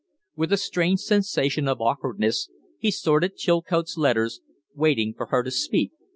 With a strange sensation of awkwardness he sorted Chilcote's letters, waiting for her to speak.